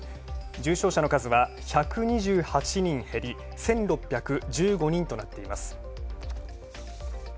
重症者の数は１２８人減り１６１５人となっています。